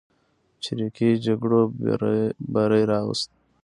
چریکي جګړو بری راوست.